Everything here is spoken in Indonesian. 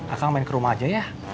asal main ke rumah aja ya